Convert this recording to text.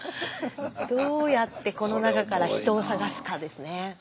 スタジオどうやってこの中から人を捜すかですね。